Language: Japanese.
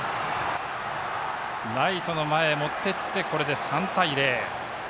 ライトの前へ持っていってこれで３対０。